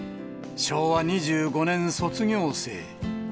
昭和２５年卒業生。